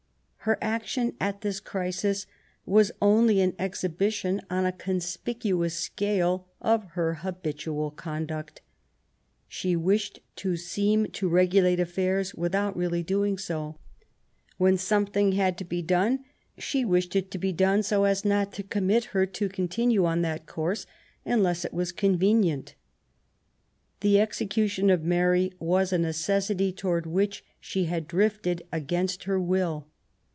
Her action at this crisis was only an exhibition on a conspicuous scale of her habitual conduct. She wished to seem to regulate affairs without really doing so. When something had to be done, she wished it to be done so as not to commit her to continue on that course unless it was convenient. The execution of Mary was a necessity towards which she had drifted against her will.